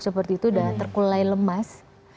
seperti itu sudah terkulai lemas